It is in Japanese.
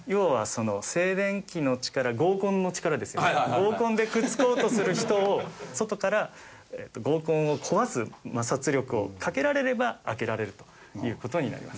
合コンでくっつこうとする人を外から合コンを壊す摩擦力をかけられれば開けられるという事になります。